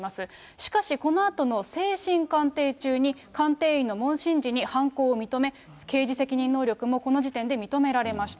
しかし、このあとの精神鑑定中に、鑑定医の問診時に犯行を認め、刑事責任能力も、この時点で認められました。